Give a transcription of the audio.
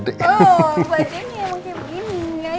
oh buat ini ya mungkin begini